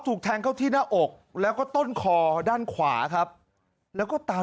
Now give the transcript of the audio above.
ถูกแทงเข้าที่หน้าอกแล้วก็ต้นคอด้านขวาครับแล้วก็ตาม